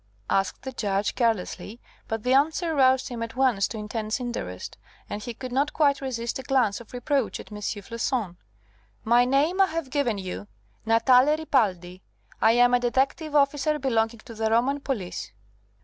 asked the Judge, carelessly, but the answer roused him at once to intense interest, and he could not quite resist a glance of reproach at M. Floçon. "My name I have given you Natale Ripaldi. I am a detective officer belonging to the Roman police."